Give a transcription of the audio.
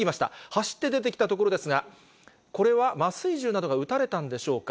走って出てきたところですが、これは麻酔銃などが打たれたんでしょうか。